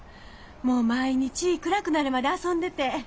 もう毎日暗くなるまで遊んでて。